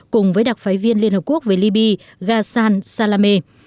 cùng với đặc phái viên liên hợp quốc về libya ghassan salameh